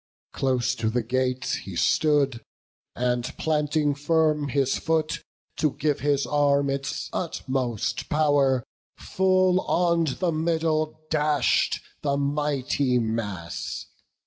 Close to the gate he stood; and planting firm His foot, to give his arm its utmost pow'r, Full on the middle dash'd the mighty mass.